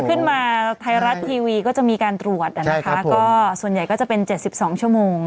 ขึ้นมาไทยรัฐทีวีก็จะมีการตรวจอ่ะนะคะก็ส่วนใหญ่ก็จะเป็น๗๒ชั่วโมง